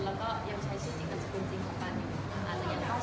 แล้วยังใช้ชีวิตจริงของการงาน